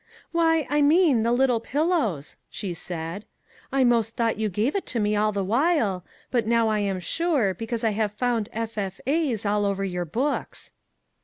"Why, I mean the 'Little Pillows/" she said. " I 'most thought you gave it to me all the while; but now I am sure, because I have found ' F. F. A.'s ' all over your books."